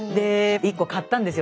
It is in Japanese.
１個買ったんですよ。